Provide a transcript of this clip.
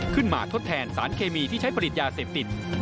ทดแทนสารเคมีที่ใช้ผลิตยาเสพติด